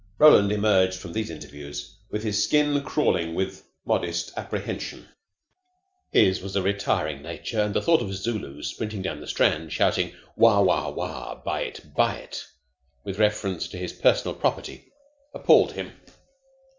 Roland emerged from these interviews with his skin crawling with modest apprehension. His was a retiring nature, and the thought of Zulus sprinting down the Strand shouting "Wah! Wah! Wah! Buy it! Buy it!" with reference to his personal property appalled him.